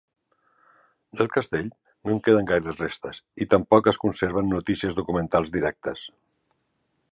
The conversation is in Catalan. Del castell no en queden gaires restes, i tampoc es conserven notícies documentals directes.